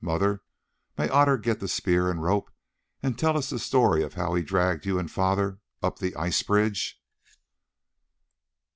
Mother, may Otter get the spear and the rope and tell us the story of how he dragged you and father up the ice bridge?"